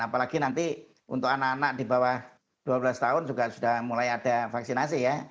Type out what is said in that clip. apalagi nanti untuk anak anak di bawah dua belas tahun juga sudah mulai ada vaksinasi ya